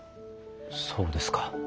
そうですか。